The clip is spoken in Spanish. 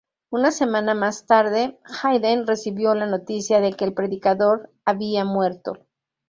Una semana más tarde, Haydn recibió la noticia de que el predicador había muerto.